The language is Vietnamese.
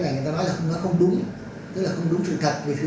thì trong nhà chúng ta có thức ăn hoặc có tất cả các thứ